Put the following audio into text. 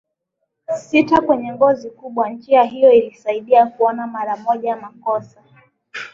sita kwenye ngozi kubwa Njia hiyo ilisaidia kuona mara moja makosa